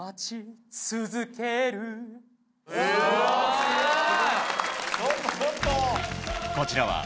すごい！